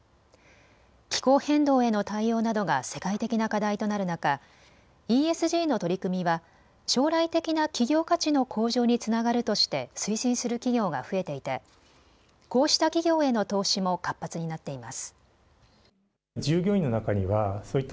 気候変動への対応などが世界的な課題となる中、ＥＳＧの取り組みは将来的な企業価値の向上につながるとして推進する企業が増えていてこうした企業への投資も活発になっています。